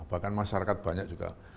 bahkan masyarakat banyak juga